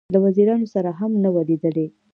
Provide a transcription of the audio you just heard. له وزیرانو سره هم نه وه لیدلې.